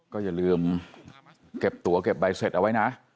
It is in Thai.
ก็อย่าลืมเก็บตัวเก็บใบเสร็จเอาไว้นะ